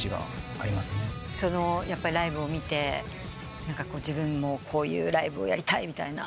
そのライブを見て自分もこういうライブをやりたいみたいな？